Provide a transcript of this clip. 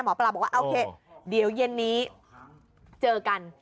หมอปลาบอกว่าโอเคเดี๋ยวเย็นนี้เจอกัน